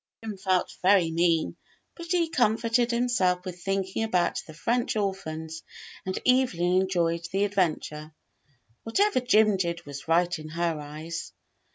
Jim felt very mean, but he comforted himself with thinking about the French orphans, and Evelyn enjoyed the adventure. Whatever Jim did was right in her eyes.